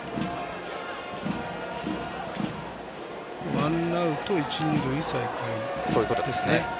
ワンアウト、一二塁再開ですね。